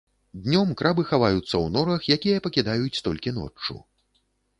Днём крабы хаваюцца ў норах, якія пакідаюць толькі ноччу.